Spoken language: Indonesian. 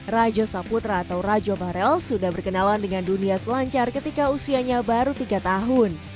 rajo saputra atau rajo barel sudah berkenalan dengan dunia selancar ketika usianya baru tiga tahun